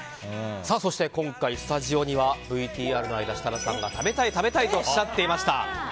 そして今回、スタジオにはＶＴＲの間設楽さんが食べたい、食べたいとおっしゃっていました